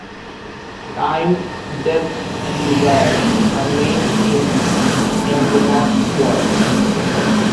Time, death and desire are main themes in Minot's work.